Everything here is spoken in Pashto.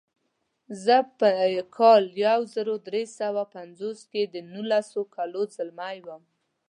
زه په کال یو زر درې سوه پنځوس کې د نولسو کالو ځلمی وم.